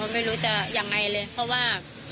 ไม่รู้จะยังไงเลยเพราะว่า